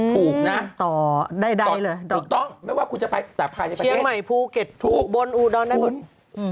ถูกนะต่อได้เลยถูกต้องไม่ว่าคุณจะไปแต่ภายในเชียงใหม่ภูเก็ตถูกบนอุดรนได้หมด